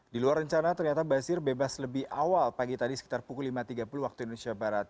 di luar rencana ternyata basir bebas lebih awal pagi tadi sekitar pukul lima tiga puluh waktu indonesia barat